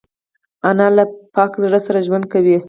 انا له پاک زړه سره ژوند کوي